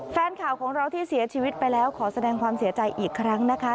แฟนข่าวของเราที่เสียชีวิตไปแล้วขอแสดงความเสียใจอีกครั้งนะคะ